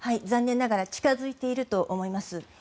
残念ながら近付いていると思います。